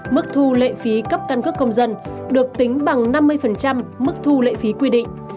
mức thu lệ phí cấp căn cước công dân được tính bằng năm mươi mức thu lệ phí quy định